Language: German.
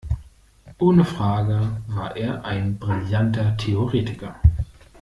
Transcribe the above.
Ohne Frage war er ein brillanter Theoretiker.